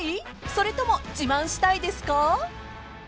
それとも自慢したいですか？］